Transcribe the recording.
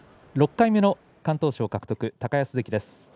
６回目の敢闘賞獲得高安関です。